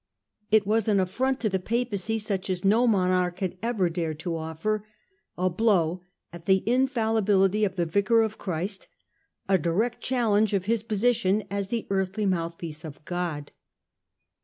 It was an affront to the Papacy such as no monarch had ever dared to offer, a blow at the infallibility of the Vicar of Christ, a direct challenge of his position as the earthly mouthpiece of God.